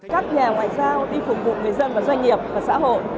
các nhà ngoại giao đi phục vụ người dân và doanh nghiệp và xã hội